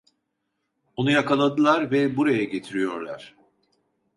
Onu yakaladılar ve buraya getiriyorlar…